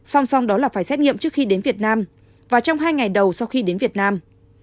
song song đó là phải xét nghiệm trước khi đến việt nam và trong hai ngày đầu sau khi đến việt nam